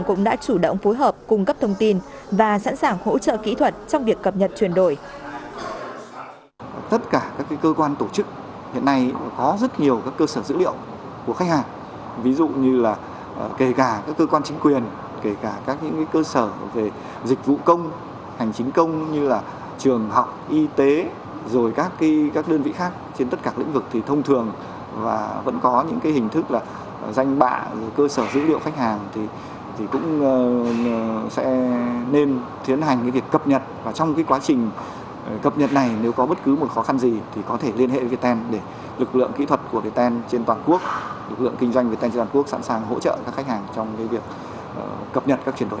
lực lượng kinh doanh việt tây trường hàn quốc sẵn sàng hỗ trợ các khách hàng trong việc cập nhật các chuyển đổi này